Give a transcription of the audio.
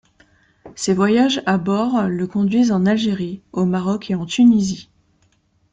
Ses voyages à bord le conduisent en Algérie, au Maroc et en Tunisie.